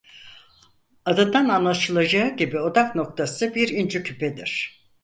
Adından anlaşılacağı gibi odak noktası bir inci küpedir.